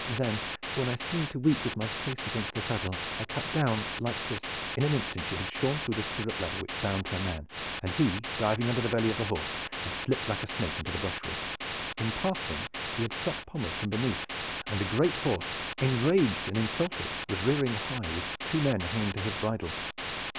Then when I seemed to weep with my face against the saddle, I cut down like this " In an instant she had shorn through the stirrup leather which bound her man, and he, diving under the belly of the horse, had slipped like a snake into the brushwood. In passing he had struck Pommers from beneath, and the great horse, enraged and insulted, was rearing high, with two men hanging to his bridle.